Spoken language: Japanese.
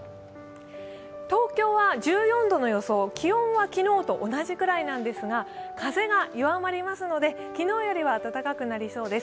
東京は１４度の予想、気温は昨日と同じくらいなんですが、風が弱まりますので昨日よりは暖かくなりそうです。